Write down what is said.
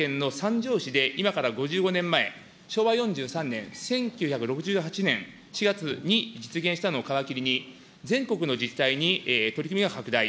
じょう市で今から５５年前、昭和４３年・１９６８年４月に出現したのを皮切りに、全国の自治体に取り組みが拡大。